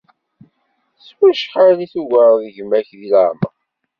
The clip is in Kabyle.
S wacḥal i tugareḍ gma-k di leεmer?